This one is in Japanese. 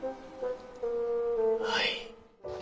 はい。